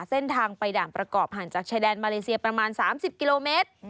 เส้นทางไปด่านประกอบห่างจากชายแดนมาเลเซียประมาณ๓๐กิโลเมตร